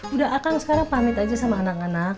udah akan sekarang pamit aja sama anak anak